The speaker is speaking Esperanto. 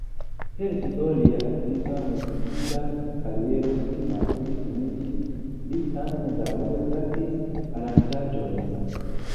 Per tio lia aktiva muzikista kariero pli malpli finiĝis; li tamen daŭre verkis aranĝaĵojn.